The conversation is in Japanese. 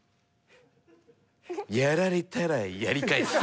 やられたらやり返す。